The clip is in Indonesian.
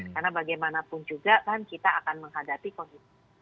karena bagaimanapun juga kan kita akan menghadapi kondisi